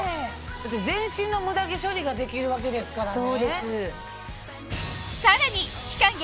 全身のムダ毛処理ができるわけですからね。